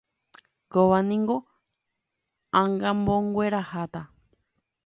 Kóvaniko Angamongueraha